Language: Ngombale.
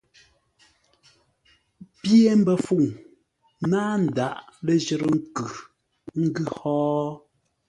Pye mbəfuŋ náa ndǎghʼ ləjərə́ nkʉ, ə́ ngʉ̌ hó?